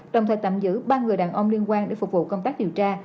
đồng thời tạm giữ ba người đàn ông liên quan để phục vụ công tác điều tra